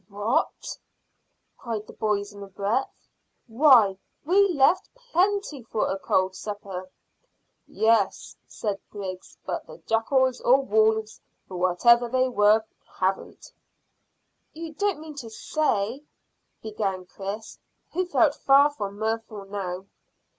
"What!" cried the boys in a breath. "Why, we left plenty for a cold supper." "Yes," said Griggs, "but the jackals, or wolves, or whatever they were, haven't." "You don't mean to say " began Chris, who felt far from mirthful now.